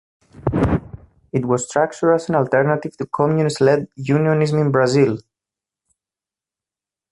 It was structured as an alternative to Communist-led unionism in Brazil.